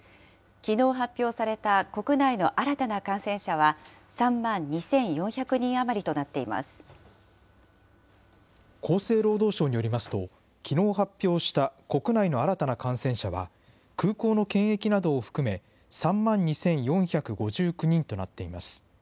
きのう発表された国内の新たな感染者は３万２４００人余りとなっ厚生労働省によりますと、きのう発表した国内の新たな感染者は、空港の検疫などを含め、３万２４５９人となっています。